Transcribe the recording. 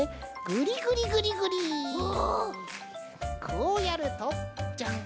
こうやるとジャン！